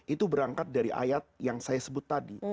itu berangkat dari ayat yang saya sebut tadi